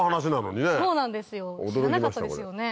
知らなかったですよね？